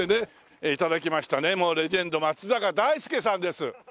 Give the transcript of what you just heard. レジェンド松坂大輔さんです。